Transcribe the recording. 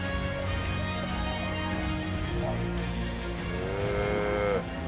へえ。